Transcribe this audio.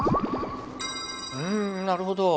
うんなるほど。